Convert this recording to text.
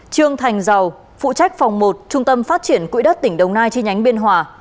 trương thành giàu phụ trách phòng một trung tâm phát triển quỹ đất tp đồng nai tp biên hòa